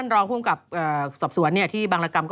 บอกอะไรบ้างไง